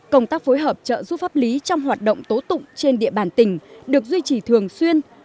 công tác phối hợp trợ giúp pháp lý trong hoạt động tố tụng trên địa bàn tỉnh được duy trì thường xuyên